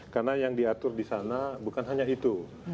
karena yang diatur di sana bukan hanya itu